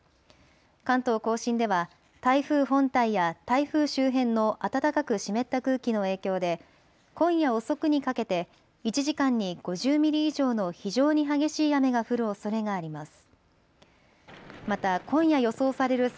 関東甲信では台風本体や台風周辺の暖かく湿った空気の影響で今夜遅くにかけて１時間に５０ミリ以上の非常に激しい雨が降るおそれがあります。